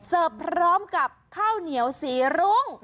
พร้อมกับข้าวเหนียวสีรุ้ง